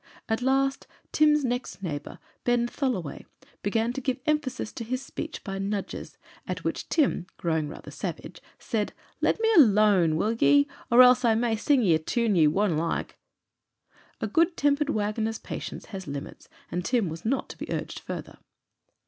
At last Tim's next neighbour, Ben Tholoway, began to give emphasis to his speech by nudges, at which Tim, growing rather savage, said, "Let me alooan, will ye? else I'll ma' ye sing a toon ye wonna like." A good tempered wagoner's patience has limits, and Tim was not to be urged further.